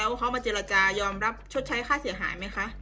แล้วเค้ามัจริยาจะยอมรับภาพชดใช้ค่าเสียหายไหมคะ